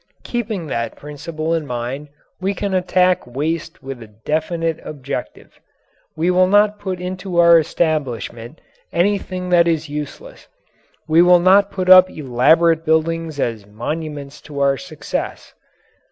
Keeping that principle in mind we can attack waste with a definite objective. We will not put into our establishment anything that is useless. We will not put up elaborate buildings as monuments to our success.